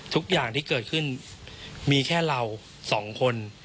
ทุกอย่างที่เกิดขึ้นมีแค่เราสองคน